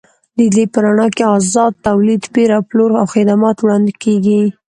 د دې په رڼا کې ازاد تولید، پېر او پلور او خدمات وړاندې کړي.